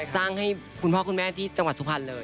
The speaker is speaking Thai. สร้างให้คุณพ่อคุณแม่ที่จังหวัดสุพรรณเลย